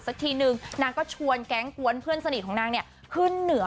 สักทีนึงนางก็ชวนแก๊งกวนเพื่อนสนิทของนางเนี่ยขึ้นเหนือ